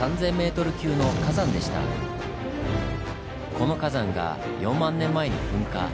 この火山が４万年前に噴火。